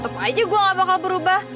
temu aja gue gak bakal berubah